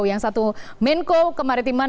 yang satu menko kemaritiman